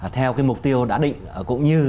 theo cái mục tiêu đã định cũng như